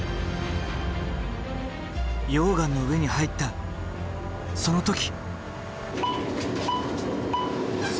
溶岩の上に入ったその時！